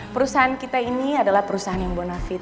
perusahaan kita ini adalah perusahaan yang bonafit